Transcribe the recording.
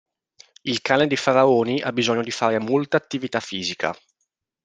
Il cane dei faraoni ha bisogno di fare molta attività fisica.